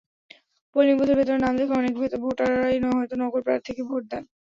Polling বুথের ভেতরে নাম দেখে অনেক ভোটারই হয়তো নকল প্রার্থীকে ভোট দেন।